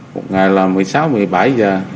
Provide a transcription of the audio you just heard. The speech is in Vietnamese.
một ngày là một mươi sáu một mươi bảy giờ